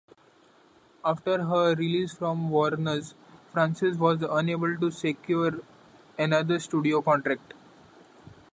After her release from Warners, Francis was unable to secure another studio contract.